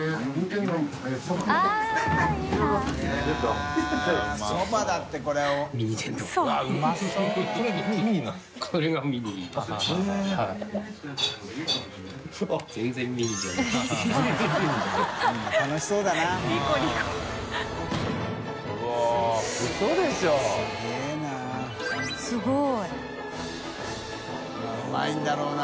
Δ錣うまいんだろうな。